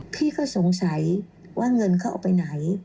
พี่ก็สงสัยว่าเงินเขาเอาไปไหน